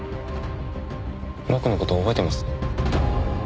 僕の事覚えてます？